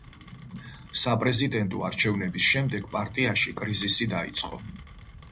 საპრეზიდენტო არჩევნების შემდეგ პარტიაში კრიზისი დაიწყო.